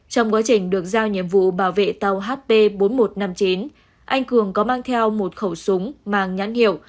trong quá trình được giao nhiệm vụ bảo vệ tàu hp bốn nghìn một trăm năm mươi chín anh cường có mang theo một khẩu súng mang nhãn hiệu